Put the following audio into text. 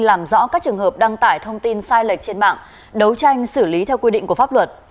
làm rõ các trường hợp đăng tải thông tin sai lệch trên mạng đấu tranh xử lý theo quy định của pháp luật